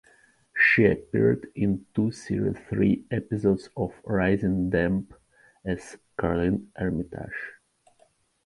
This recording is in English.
She appeared in two series-three episodes of "Rising Damp", as Caroline Armitage.